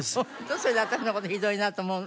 それで私の事ひどいなと思うの？